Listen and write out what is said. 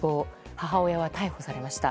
母親は逮捕されました。